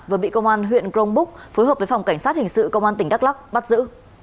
và bị công an huyện grongbúc phối hợp với phòng cảnh sát hình sự công an tỉnh đắk lắc bắt giữ